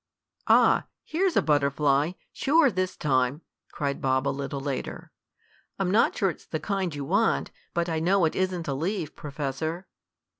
"Ah, here's a butterfly. Sure, this time!" cried Bob a little later. "I'm not sure it's the kind you want, but I know it isn't a leaf, Professor."